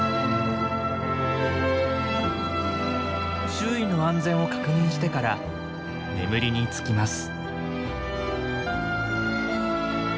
周囲の安全を確認してから眠りにつきます。